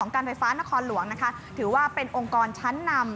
การไฟฟ้านครหลวงถือว่าเป็นองค์กรชั้นนำ